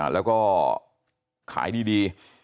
แล้วก็ขายดี